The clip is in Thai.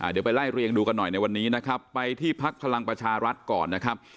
เดี๋ยวไปไล่เรียงดูกันหน่อยในวันนี้นะครับไปที่พักพลังประชารัฐก่อนนะครับ